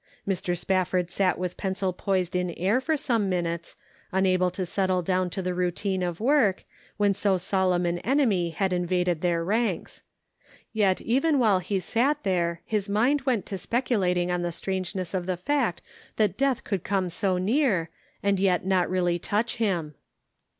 Mr. Spafford sat with pencil poised in air for some minutes, un able to settle down to the routine of work, when so solemn an enemy had invaded their ranks. Yet even while he sat there his mind went to speculating on the strangeness of the fact that death could come so near, and yet not really touch him.